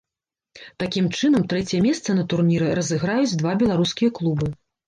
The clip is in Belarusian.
Такім чынам, трэцяе месца на турніры разыграюць два беларускія клубы.